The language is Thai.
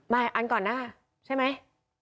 ไม่อ่านก่อนนะใช่ไหม